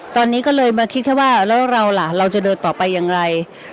ตอนนี้ก็เลยมาคิดแค่ว่าแล้วเราล่ะเราจะเดินต่อไปอย่างไร